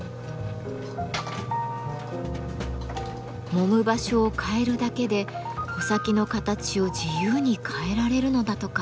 もむ場所を変えるだけで穂先の形を自由に変えられるのだとか。